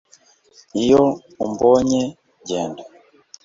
iyo umbonye ngenda